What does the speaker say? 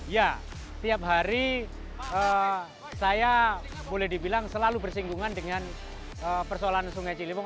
ya tiap hari saya boleh dibilang selalu bersinggungan dengan persoalan sungai ciliwung